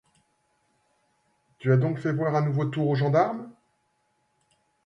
Tu as donc fait voir un nouveau tour aux gendarmes ?